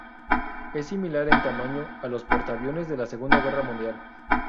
Es similar en tamaño a los portaaviones de la Segunda Guerra Mundial.